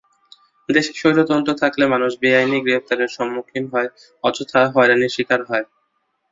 দেশে স্বৈরতন্ত্র থাকলে মানুষ বেআইনি গ্রেপ্তারের সম্মুখীন হয়, অযথা হয়রানির শিকার হয়।